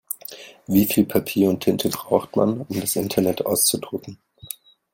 Wie viel Papier und Tinte braucht man, um das Internet auszudrucken?